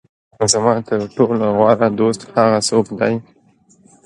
زما تر ټولو غوره دوست هغه څوک دی.